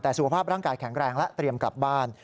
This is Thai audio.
แต่สุขภาพร่างกายแข็งแรงและเตรียมกลับบ้าน